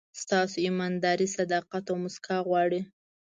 ستاسو ایمانداري، صداقت او موسکا غواړي.